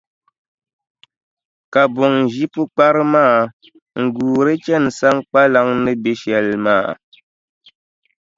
Ka buŋa ʒi pukpara maa, n-guuri chani Saŋkpaliŋ ni be shɛli maa.